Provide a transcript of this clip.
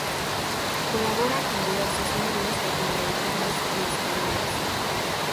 Colabora con diversos medios latinoamericanos y españoles.